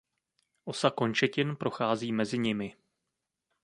Osa končetin prochází mezi nimi.